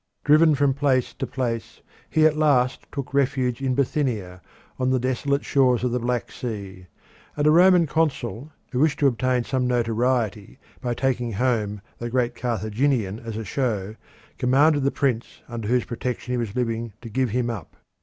Driven from place to place, he at last took refuge in Bithynia, on the desolate shores of the Black Sea, and a Roman consul, who wished to obtain some notoriety by taking home the great Carthaginian as a show, commanded the prince under whose protection he was living to give him up.